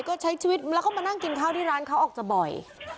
ก็ใช้ชีวิตแล้วก็มานั่งกินข้าวที่ร้านเขาออกจะบ่อย